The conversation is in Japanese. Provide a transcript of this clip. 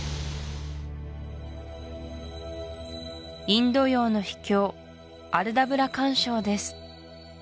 インド洋の秘境アルダブラ環礁です